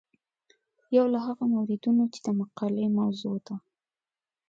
یو له هغو موردونو چې د مقالې موضوع ده.